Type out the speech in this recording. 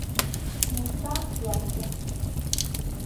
Moussa Diop